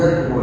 các quan ba